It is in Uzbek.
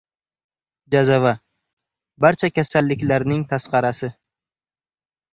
Jazava — barcha kasalliklariing tasqarasi.